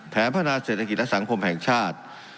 พัฒนาเศรษฐกิจและสังคมแห่งชาติ